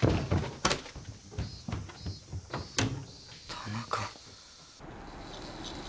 田中。